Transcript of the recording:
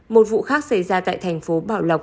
một vụ khác xảy ra tại thành phố bảo lộc